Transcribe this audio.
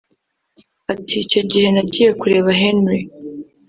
Ati “ Icyo gihe nagiye kureba Henry